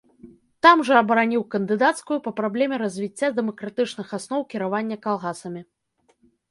Там жа абараніў кандыдацкую па праблеме развіцця дэмакратычных асноў кіравання калгасамі.